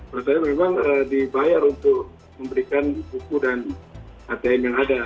menurut saya memang dibayar untuk memberikan buku dan atm yang ada